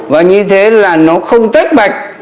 và như thế là nó không tích bạch